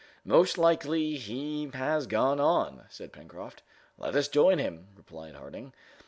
"Most likely he has gone on," said Pencroft. "Let us join him," replied Harding.